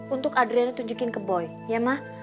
untuk adriana tunjukin ke boy ya mak